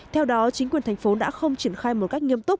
theo đó chính quyền thành phố đã không triển khai một cách nghiêm túc